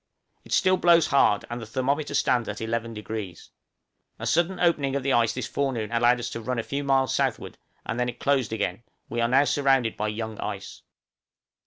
It still blows hard, and the thermometer stands at 11°. A sudden opening of the ice this forenoon allowed us to run a few miles southward, and then it closed again; we are now surrounded by young ice.